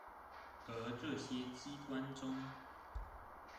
而這些機關中